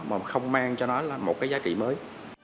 mà không mang cho nó một cái giá trị mới